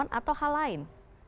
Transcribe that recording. dan pemohon atau hal lain